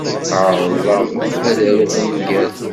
Ɛerḍeɣ ad aruɣ ungal.